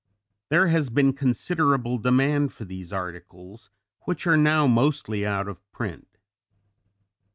There has been a considerable demand for these articles which are now mostly out of print.